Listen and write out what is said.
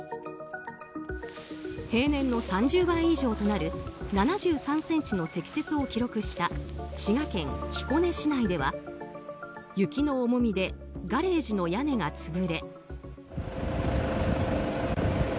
平年の３０倍以上となる７３ｃｍの積雪を記録した滋賀県彦根市内では雪の重みでガレージの屋根が潰れ。